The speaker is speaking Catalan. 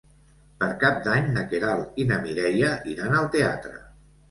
Per Cap d'Any na Queralt i na Mireia iran al teatre.